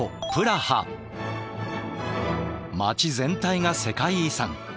街全体が世界遺産。